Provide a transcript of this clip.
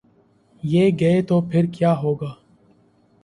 یہ گئے تو پھر کیا ہو گا؟